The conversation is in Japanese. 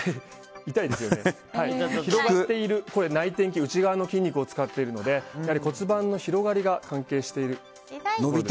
内転筋内側の筋肉を使っているので骨盤の広がりが関係していると。